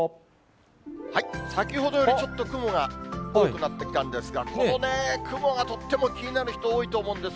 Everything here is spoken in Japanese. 先ほどよりちょっと雲が多くなってきたんですが、このね、雲がとっても気になる人、多いと思うんです。